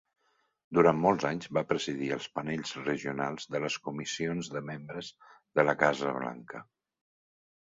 Durant molts anys va presidir els panells regionals de les Comissions de Membres de la Casa Blanca.